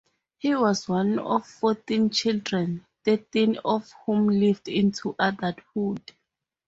He was one of fourteen children, thirteen of whom lived into adulthood.